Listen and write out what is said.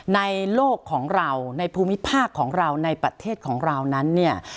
ในโลกของเราในภูมิภาคของเราในประเทศของเรานั้นเนี่ย